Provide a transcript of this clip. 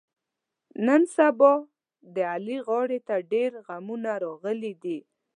نن سبا د علي غاړې ته ډېرغمونه راغلي دي.